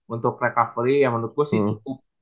untuk recovery ya menurut gue sih cukup cukup cukup